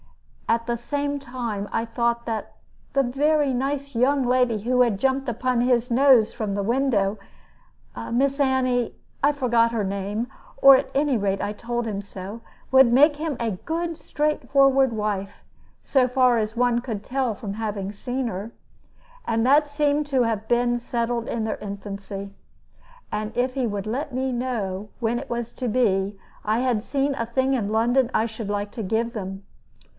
At the same time I thought that the very nice young lady who jumped upon his nose from the window, Miss Annie I forgot her name, or at any rate I told him so would make him a good straightforward wife, so far as one could tell from having seen her. And that seemed to have been settled in their infancy. And if he would let me know when it was to be, I had seen a thing in London I should like to give them.